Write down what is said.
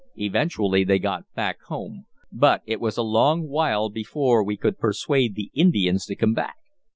Eventually, they got back home. But it was a long while before we could persuade the Indians to come back.